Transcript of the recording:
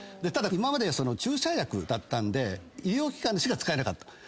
ただ今まで注射薬だったんで医療機関でしか使えなかった。